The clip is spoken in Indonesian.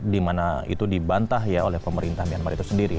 dimana itu dibantah ya oleh pemerintah myanmar itu sendiri